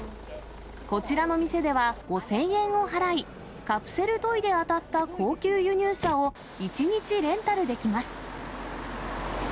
こちらの店では、５０００円を払い、カプセルトイで当たった高級輸入車を１日レンタルできます。